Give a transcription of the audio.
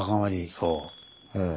そう。